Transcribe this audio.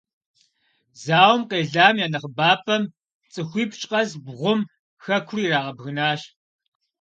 Зауэм къелам я нэхъыбапӀэм - цӀыхуипщӀ къэс бгъум - хэкур ирагъэбгынащ.